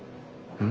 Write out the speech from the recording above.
うん？